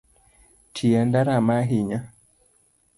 Tienda rama ahinya